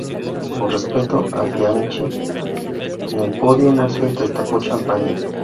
Por respeto a Bianchi, en el podio no se destapó champaña.